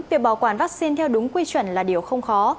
việc bảo quản vaccine theo đúng quy chuẩn là điều không khó